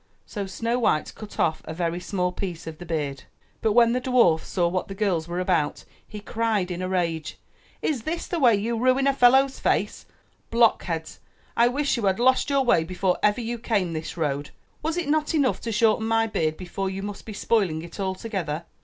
So Snow white cut off a very small piece of the beard. But when the dwarf saw what the 42 UP ONE PAIR OF STAIRS girls were about, he cried in a rage, ''Is this the way you ruin a fellow's face? Block heads ! I wish you had lost your way before ever you came this road. Was it not enough to shorten my beard before but you must be spoil ing it altogether?''